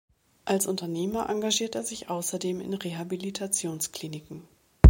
Als Unternehmer engagiert er sich außerdem in Rehabilitationskliniken.